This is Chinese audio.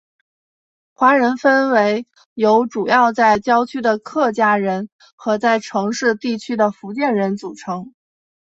华人分为由主要在郊区的客家人和在城市地区的福建人组成。